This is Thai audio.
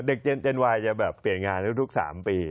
เจนวายจะแบบเปลี่ยนงานทุก๓ปี